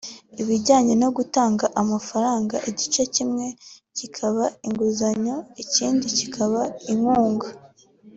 ibijyanye no gutanga amafaranga igice kimwe kikaba inguzanyo ikindi kikaba inkunga